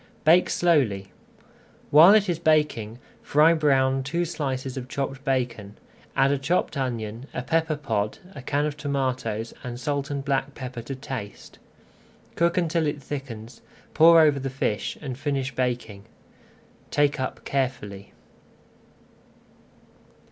Bake slowly. While it is baking fry brown two slices of chopped [Page 259] bacon, add a chopped onion, a pepper pod, a can of tomatoes, and salt and black pepper to taste. Cook until it thickens, pour over the fish, and finish baking. Take up carefully.